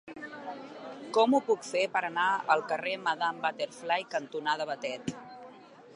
Com ho puc fer per anar al carrer Madame Butterfly cantonada Batet?